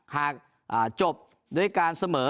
หากจบด้วยการเสมอ